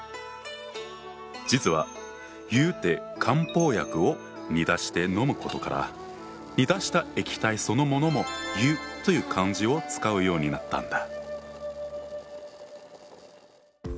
実は湯で漢方薬を煮出して飲むことから煮出した液体そのものも湯という漢字を使うようになったんだ。